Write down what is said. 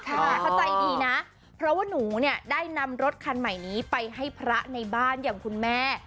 เขาใจดีนะเพราะว่าหนูเนี่ยได้นำรถคันใหม่นี้ไปให้พระในบ้านอย่างคุณแม่